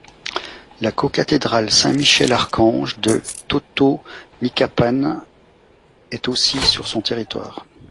La cocathédrale Saint-Michel-Archange de Totonicapán est aussi sur son territoire.